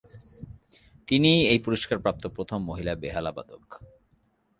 তিনিই এই পুরস্কার প্রাপ্ত প্রথম মহিলা বেহালা বাদক।